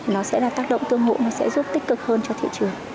nó sẽ là tác động tương hữu nó sẽ giúp tích cực hơn cho thị trường